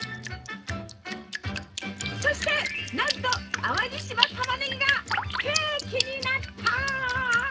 そしてなんと淡路島たまねぎがケーキになった！